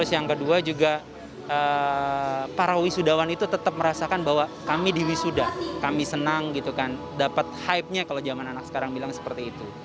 yang kedua para wisudawan tetap merasakan bahwa kami di wisuda kami senang dapat hype nya kalau zaman anak sekarang bilang seperti itu